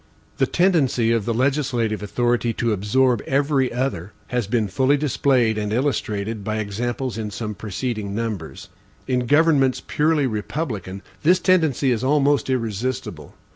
The tendency of the legislative authority to absorb every other, has been fully displayed and illustrated by examples in some preceding numbers. In governments purely republican, this tendency is almost irresistible.